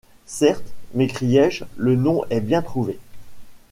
Certes, m’écriai-je, le nom est bien trouvé!